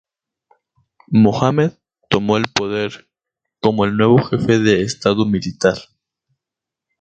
Muhammed tomó el poder como el nuevo Jefe de Estado Militar.